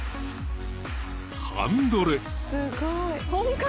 ［ハンドル］